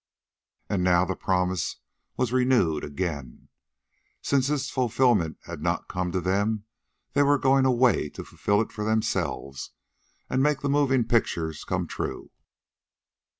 And now the promise was renewed again. Since its fulfillment had not come to them, they were going away to fulfill it for themselves and make the moving pictures come true.